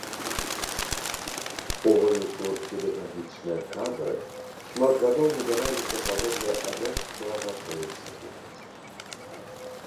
У выніку педагагічныя кадры шмат гадоў набіраліся паводле рэшткавага прынцыпу.